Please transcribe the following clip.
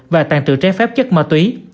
và tàn trữ trái phép chất ma túy